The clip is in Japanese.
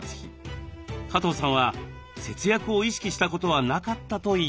加藤さんは節約を意識したことはなかったといいます。